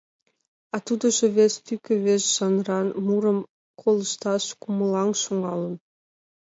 А тудыжо вес тӱкӧ, вес жанран мурым колышташ кумылаҥ шогалын.